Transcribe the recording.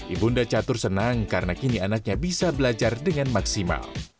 ibu unda catur senang karena kini anaknya bisa belajar dengan maksimal